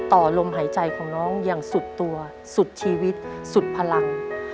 ต่อลมหายใจของน้องอย่างสุดตัวสุดชีวิตสุดพลัง